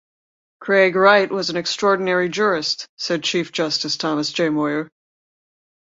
"Craig Wright was an extraordinary jurist," said Chief Justice Thomas J. Moyer.